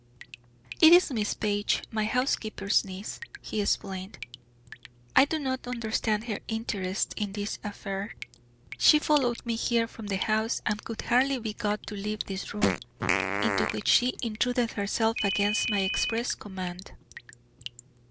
"It is Miss Page, my housekeeper's niece," he explained. "I do not understand her interest in this affair. She followed me here from the house and could hardly be got to leave this room, into which she intruded herself against my express command."